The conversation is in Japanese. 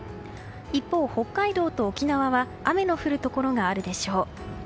一方、北海道と沖縄は雨の降るところがあるでしょう。